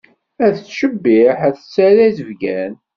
Ad tettcebbiḥ ad tettarra izebgan.